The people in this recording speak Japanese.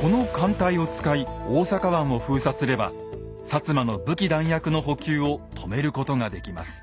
この艦隊を使い大阪湾を封鎖すれば摩の武器弾薬の補給を止めることができます。